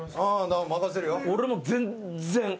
俺も全然。